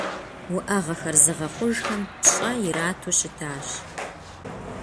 Уӏэгъэхэр зыгъэхъужхэм пщӏэ ирату щытащ.